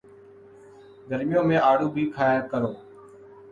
گرمیوں میں آڑو بھی کھایا کرو